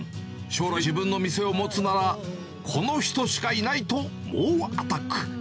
将来、自分の店を持つなら、この人しかいないと猛アタック。